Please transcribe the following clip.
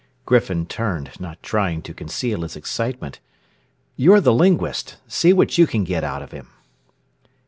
Griffin turned, not trying to conceal his excitement. "You're the linguist, see what you can get out of him."